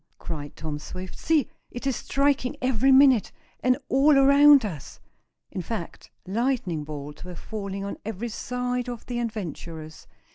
cried Tom Swift. "See, it is striking every minute, and all around us!" In fact, lightning bolts were falling on every side of the adventurers.